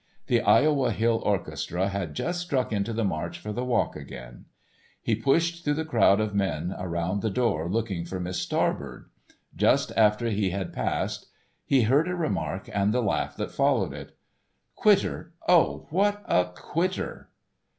The Iowa Hill orchestra had just struck into the march for the walk around. He pushed through the crowd of men around the door looking for Miss Starbird. Just after he had passed he heard a remark and the laugh that followed it: "Quitter, oh, what a quitter!"